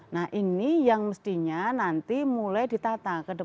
nah ini yang mestinya nanti mulai ditata ke depan